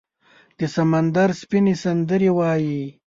د سمندر سپینې، سندرې وایې